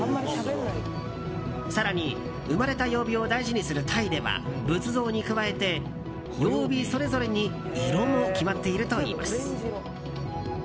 更に、生まれた曜日を大事にするタイでは仏像に加えて、曜日それぞれに色も決まっているといいます。